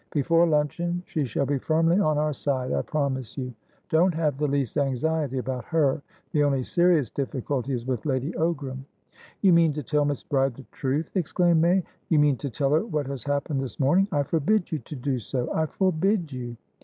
Before luncheon, she shall be firmly on our side, I promise you! Don't have the least anxiety about her. The only serious difficulty is with Lady Ogram." "You mean to tell Miss Bride the truth?" exclaimed May. "You mean to tell her what has happened this morning? I forbid you to do so! I forbid you!"